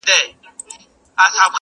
سړي ښخ کئ سپي د کلي هدیره کي.